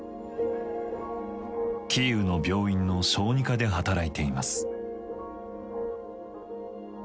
キーウの病院の小児科で働いています。